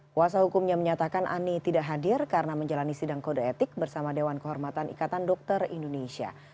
kuasa hukumnya menyatakan ani tidak hadir karena menjalani sidang kode etik bersama dewan kehormatan ikatan dokter indonesia